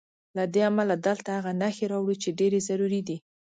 له دې امله دلته هغه نښې راوړو چې ډېرې ضروري دي.